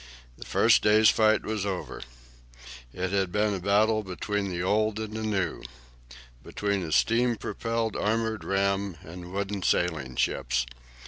The first day's fight was over. It had been a battle between the old and the new between a steam propelled armoured ram and wooden sailing ships.